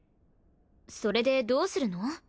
それでどうするの？